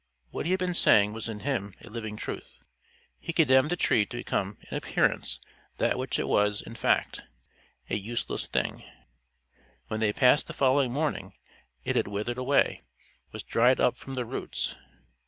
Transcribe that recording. What he had been saying was in him a living truth: he condemned the tree to become in appearance that which it was in fact a useless thing: when they passed the following morning, it had withered away, was dried up from the roots.